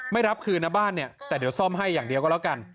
ไม่รับคืนนะบ้านเนี่ยแต่เดี๋ยวซ่อมให้อย่างเดียวก็แล้วกัน